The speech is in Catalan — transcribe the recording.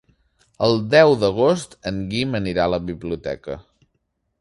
El deu d'agost en Guim anirà a la biblioteca.